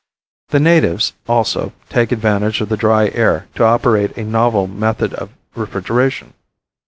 The natives, also, take advantage of the dry air to operate a novel method of refrigeration.